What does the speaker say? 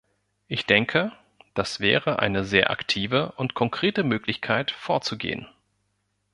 Ich denke, das wäre eine sehr aktive und konkrete Möglichkeit, vorzugehen.